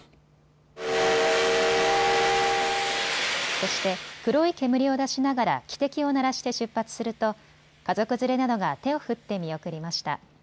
そして黒い煙を出しながら汽笛を鳴らして出発すると家族連れなどが手を振って見送りました。